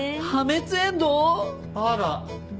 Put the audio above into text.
あら。